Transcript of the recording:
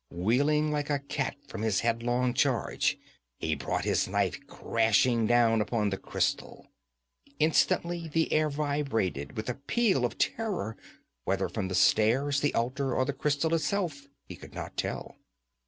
Wheeling like a cat from his headlong charge, he brought his knife crashing down upon the crystal. Instantly the air vibrated with a peal of terror, whether from the stairs, the altar, or the crystal itself he could not tell.